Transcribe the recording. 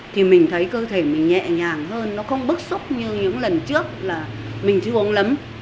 thì mình thấy cơ thể mình nhẹ nhàng hơn nó không bức xúc như những lần trước là mình chưa uống lấm